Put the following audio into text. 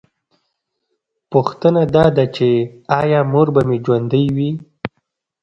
پوښتنه دا ده چې ایا مور به مې ژوندۍ وي